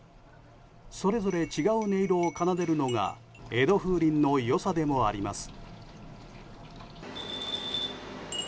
それぞれ違う音色を奏でるのが江戸風鈴の良さでもあります。